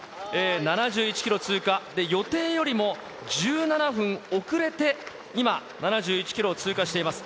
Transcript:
７１キロ通過で、予定よりも１７分遅れて今、７１キロを通過しています。